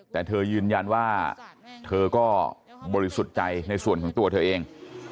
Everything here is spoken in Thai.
แต่เธอยืนยันว่าเธอก็บริสุทธิ์ใจในส่วนของตัวเธอเอง